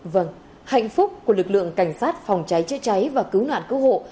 vâng hạnh phúc của lực lượng cảnh sát phòng cháy chữa cháy và cứu nạn cứu hộ